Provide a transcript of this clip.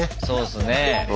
そうですね。